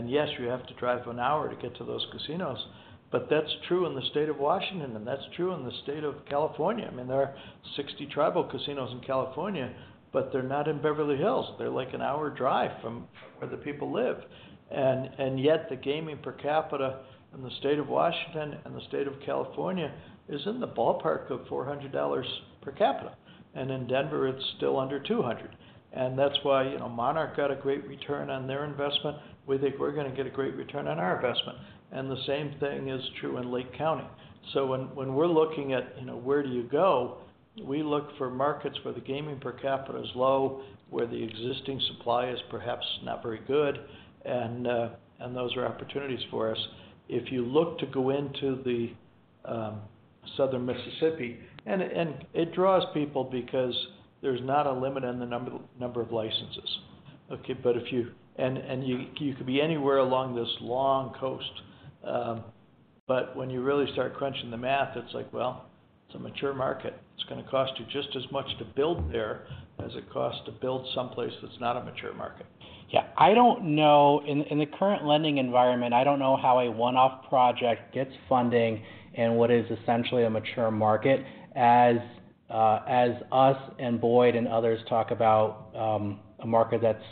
Yes, you have to drive an hour to get to those casinos, but that's true in the state of Washington, and that's true in the state of California. I mean, there are 60 tribal casinos in California, but they're not in Beverly Hills. They're like an hour drive from where the people live. Yet the gaming per capita in the state of Washington and the state of California is in the ballpark of $400 per capita. In Denver, it's still under $200. That's why, you know, Monarch got a great return on their investment. We think we're gonna get a great return on our investment. The same thing is true in Lake County. When we're looking at, you know, where do you go, we look for markets where the gaming per capita is low, where the existing supply is perhaps not very good, and those are opportunities for us. If you look to go into the Southern Mississippi, and it, and it draws people because there's not a limit on the number of licenses. You could be anywhere along this long coast. When you really start crunching the math, it's like, well, it's a mature market. It's gonna cost you just as much to build there as it costs to build someplace that's not a mature market. Yeah. I don't know, in the current lending environment, I don't know how a one-off project gets funding in what is essentially a mature market as us and Boyd and others talk about, a market that's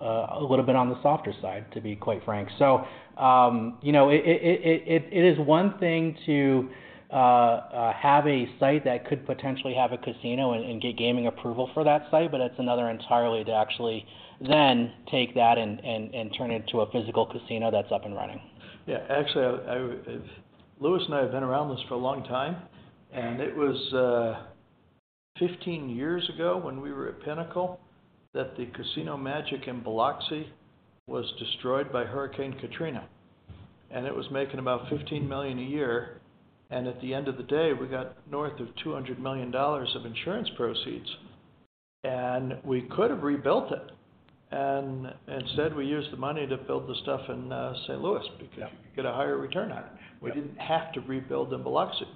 a little bit on the softer side, to be quite frank. You know, it, it is one thing to have a site that could potentially have a casino and get gaming approval for that site, but it's another entirely to actually then take that and, and turn it into a physical casino that's up and running. Yeah. Actually, Lewis and I have been around this for a long time. 15 years ago when we were at Pinnacle, that the Casino Magic in Biloxi was destroyed by Hurricane Katrina. It was making about $15 million a year. At the end of the day, we got north of $200 million of insurance proceeds. We could have rebuilt it. Instead, we used the money to build the stuff in St. Louis because you could get a higher return on it. Yeah. We didn't have to rebuild in Biloxi.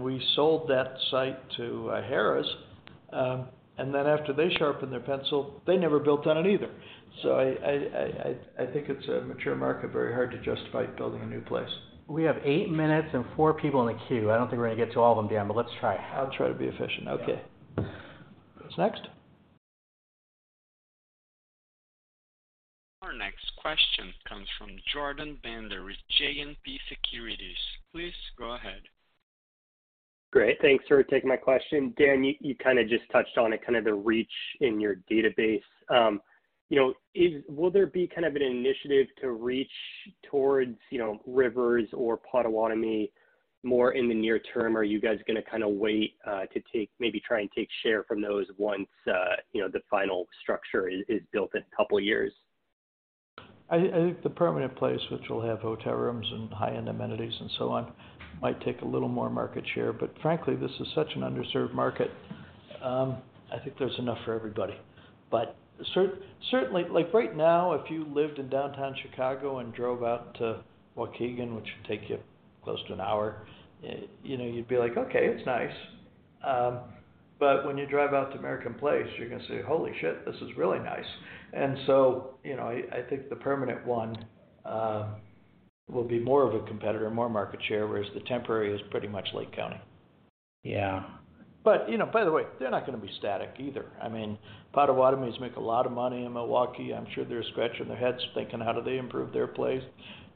We sold that site to Harrah's. After they sharpened their pencil, they never built on it either. I think it's a mature market, very hard to justify building a new place. We have eight minutes and four people in the queue. I don't think we're going to get to all of them, Dan, but let's try. I'll try to be efficient. Okay. Next. Our next question comes from Jordan Bender with JMP Securities. Please go ahead. Great. Thanks for taking my question. Dan, you kind of just touched on it, kind of the reach in your database. You know, will there be kind of an initiative to reach towards, you know, Rivers or Potawatomi more in the near term? Are you guys gonna kinda wait to take maybe try and take share from those once, you know, the final structure is built in a couple of years? I think the permanent place, which will have hotel rooms and high-end amenities and so on, might take a little more market share. Frankly, this is such an underserved market. I think there's enough for everybody. Certainly, like right now, if you lived in downtown Chicago and drove out to Waukegan, which would take you close to an hour, you know, you'd be like, "Okay, it's nice." But when you drive out to American Place, you're gonna say, "Oh, this is really nice." You know, I think the permanent one will be more of a competitor, more market share, whereas The Temporary is pretty much Lake County. Yeah. You know, by the way, they're not gonna be static either. I mean, Potawatomi's make a lot of money in Milwaukee. I'm sure they're scratching their heads thinking, how do they improve their place?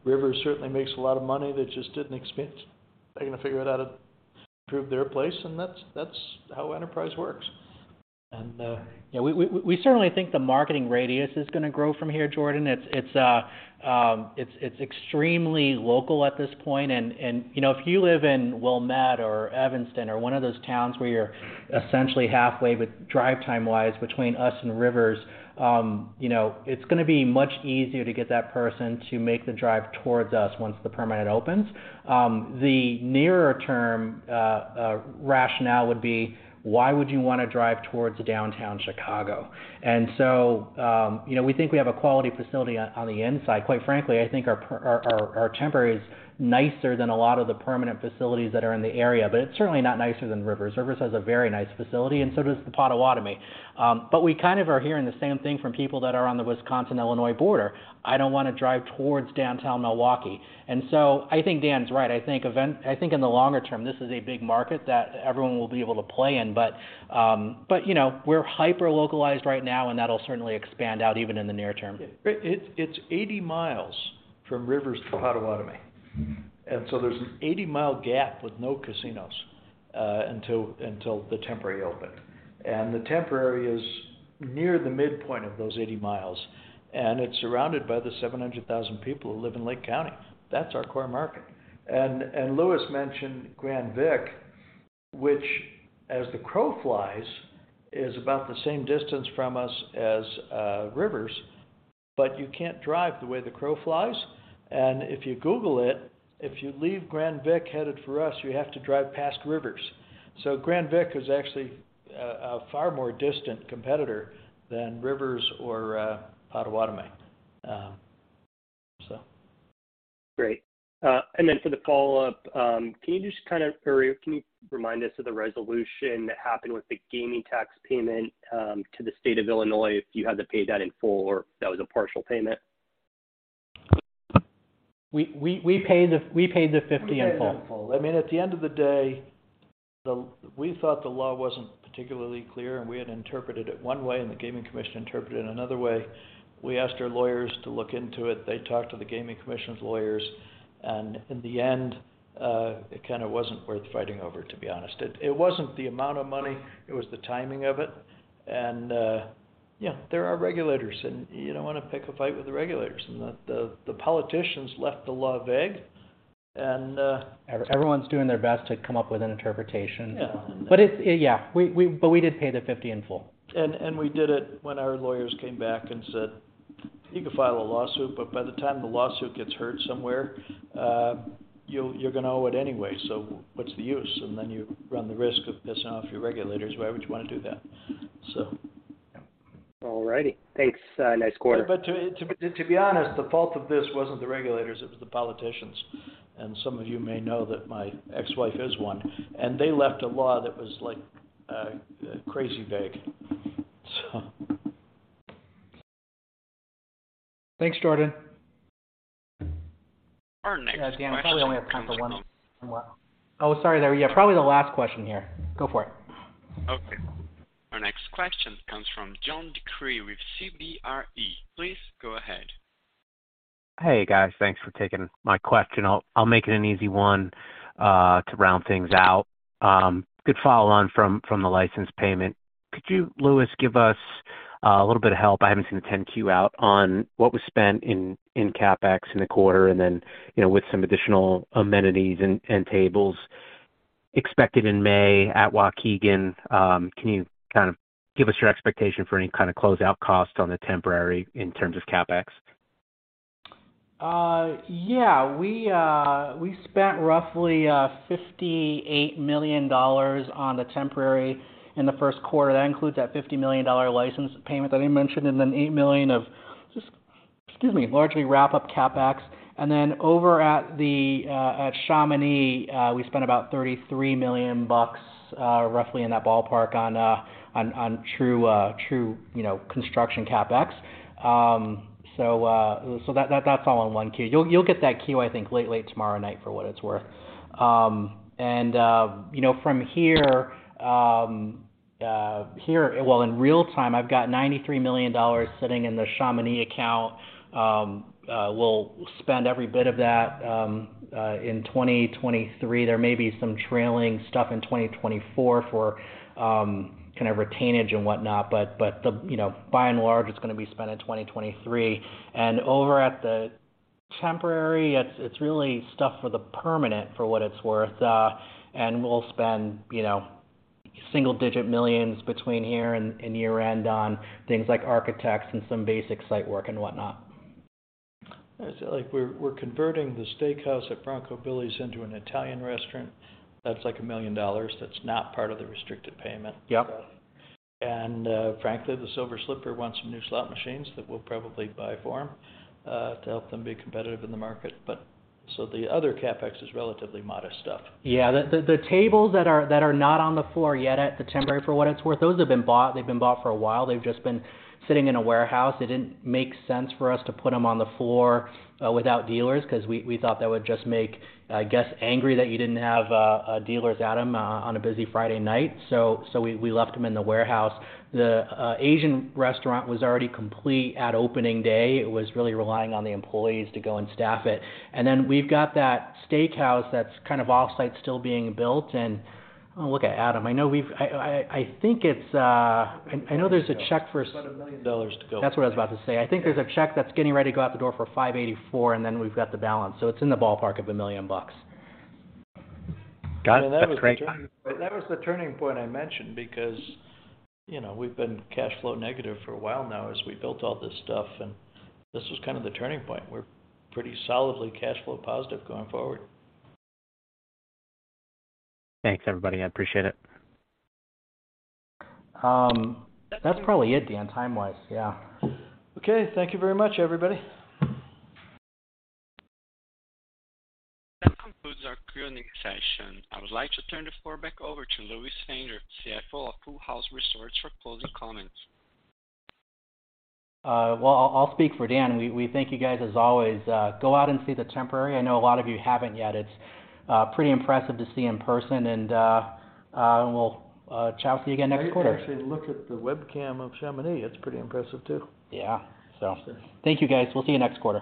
Rivers certainly makes a lot of money. They're gonna figure out how to improve their place, and that's how enterprise works. Yeah, we certainly think the marketing radius is gonna grow from here, Jordan. It's extremely local at this point. You know, if you live in Wilmette or Evanston or one of those towns where you're essentially halfway with drive time-wise between us and Rivers, you know, it's gonna be much easier to get that person to make the drive towards us once the permanent opens. The nearer term rationale would be, why would you wanna drive towards downtown Chicago? You know, we think we have a quality facility on the inside. Quite frankly, I think our Temporary is nicer than a lot of the permanent facilities that are in the area, but it's certainly not nicer than Rivers. Rivers has a very nice facility and so does the Potawatomi. We kind of are hearing the same thing from people that are on the Wisconsin-Illinois border. I don't wanna drive towards downtown Milwaukee. I think Dan's right. I think in the longer term, this is a big market that everyone will be able to play in. You know, we're hyper localized right now, and that'll certainly expand out even in the near term. It's 80 m from Rivers to Potawatomi. There's an 80 m gap with no casinos until The Temporary opened. The Temporary is near the midpoint of those 80 m, and it's surrounded by the 700,000 people who live in Lake County. That's our core market. Lewis mentioned Grand Vic, which as the crow flies, is about the same distance from us as Rivers, but you can't drive the way the crow flies. If you Google it, if you leave Grand Vic headed for us, you have to drive past Rivers. Grand Vic is actually a far more distant competitor than Rivers or Potawatomi. Great. For the follow-up, can you remind us of the resolution that happened with the gaming tax payment to the State of Illinois, if you had to pay that in full or if that was a partial payment? We paid the $50 in full. We paid it in full. I mean, at the end of the day, we thought the law wasn't particularly clear, and we had interpreted it one way, and the Gaming Commission interpreted it another way. We asked our lawyers to look into it. They talked to the Gaming Commission's lawyers, in the end, it kinda wasn't worth fighting over, to be honest. It wasn't the amount of money, it was the timing of it, and, you know, there are regulators, and you don't wanna pick a fight with the regulators. The politicians left the law vague. Everyone's doing their best to come up with an interpretation. Yeah. Yeah, we, but we did pay the $50 in full. We did it when our lawyers came back and said, "You could file a lawsuit, but by the time the lawsuit gets heard somewhere, you're gonna owe it anyway, so what's the use? You run the risk of pissing off your regulators. Why would you wanna do that? All righty. Thanks. Nice quarter. To be honest, the fault of this wasn't the regulators, it was the politicians. Some of you may know that my ex-wife is one. They left a law that was like, crazy vague. Thanks, Jordan. Our next question comes from. Yeah, Dan, probably only have time for one more. Oh, sorry there. Yeah, probably the last question here. Go for it. Our next question comes from John DeCree with CBRE. Please go ahead. Hey, guys. Thanks for taking my question. I'll make it an easy one to round things out. Good follow on from the license payment. Could you, Lewis, give us a little bit of help. I haven't seen the 10-Q out on what was spent in CapEx in the quarter. You know, with some additional amenities and tables expected in May at Waukegan, can you kind of give us your expectation for any kind of close out costs on The Temporary in terms of CapEx? Yeah. We spent roughly $58 million on The Temporary in the first quarter. That includes that $50 million license payment that I mentioned, then $8 million of just, excuse me, largely wrap up CapEx. Then over at Chamonix, we spent about $33 million, roughly in that ballpark on true, you know, construction CapEx. That's all in 1Q. You'll get that Q, I think late tomorrow night, for what it's worth. You know, from here. Well, in real-time, I've got $93 million sitting in the Chamonix account. We'll spend every bit of that in 2023. There may be some trailing stuff in 2024 for, kind of retainage and whatnot, but the, you know, by and large, it's gonna be spent in 2023. Over at The Temporary, it's really stuff for the permanent for what it's worth. We'll spend, you know, single digit millions between here and year-end on things like architects and some basic site work and whatnot. It's like we're converting the steakhouse at Bronco Billy's into an Italian restaurant. That's like $1 million. That's not part of the restricted payment. Yep. Frankly, the Silver Slipper wants some new slot machines that we'll probably buy for them to help them be competitive in the market. The other CapEx is relatively modest stuff. Yeah. The tables that are not on the floor yet at The Temporary, for what it's worth, those have been bought. They've been bought for a while. They've just been sitting in a warehouse. It didn't make sense for us to put them on the floor without dealers because we thought that would just make guests angry that you didn't have dealers at them on a busy Friday night. We left them in the warehouse. The Asian restaurant was already complete at opening day. It was really relying on the employees to go and staff it. We've got that steakhouse that's kind of off-site, still being built. Oh, look at Adam. I know we've... I think it's, I know there's a check for. About $1 million to go. That's what I was about to say. I think there's a check that's getting ready to go out the door for $584. We've got the balance. It's in the ballpark of $1 million. Got it. That's great. That was the turning point I mentioned because, you know, we've been cash flow negative for a while now as we built all this stuff, and this was kind of the turning point. We're pretty solidly cash flow positive going forward. Thanks, everybody. I appreciate it. That's probably it, Dan, time-wise. Yeah. Okay. Thank you very much, everybody. That concludes our questioning session. I would like to turn the floor back over to Lewis Fanger, CFO of Full House Resorts, for closing comments. Well, I'll speak for Dan. We thank you guys as always. Go out and see The Temporary. I know a lot of you haven't yet. It's pretty impressive to see in person. We'll chat with you again next quarter. Actually look at the webcam of Chamonix. It's pretty impressive too. Yeah. Thank you, guys. We'll see you next quarter.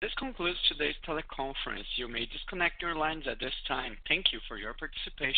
This concludes today's teleconference. You may disconnect your lines at this time. Thank you for your participation.